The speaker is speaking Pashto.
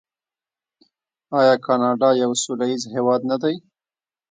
آیا کاناډا یو سوله ییز هیواد نه دی؟